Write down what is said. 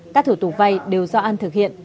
các thủ tục vay đều do an thực hiện